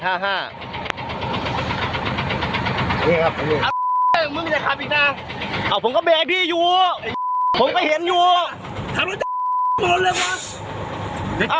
มีปืนเลยครับเป็นบรีแห้งด้วยครับไม่มีปืนนะครับ